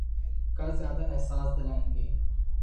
کا زیادہ احساس دلائیں گی۔